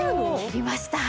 切りました！